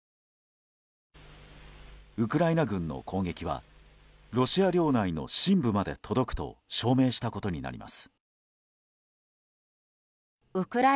ウクライナ軍の攻撃はロシア領内の深部まで届くと証明したことになります。